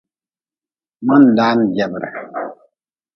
Ma-n daan jebre.